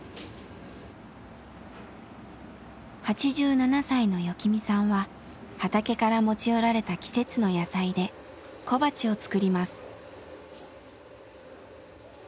８７歳のよきみさんは畑から持ち寄られた季節の野菜で小鉢を作ります。